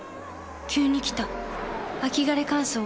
急に来た秋枯れ乾燥。